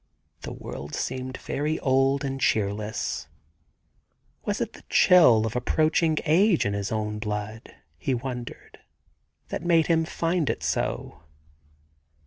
The world seemed very old and cheerless. Was it the chill of approaching age in his own blood, he wondered, that made him find it so